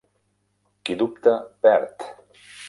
Qui dubta perd.